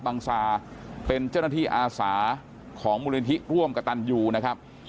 บังซาเป็นเจ้าหน้าที่อาสาของมูลนิธิร่วมกับตันยูนะครับ